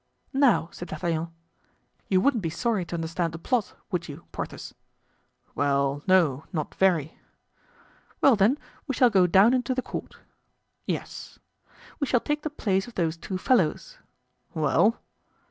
"Now," said D'Artagnan, "you wouldn't be sorry to understand the plot, would you, Porthos?" "Well, no, not very." "Well, then, we shall go down into the court." "Yes." "We shall take the place of those two fellows." "Well?"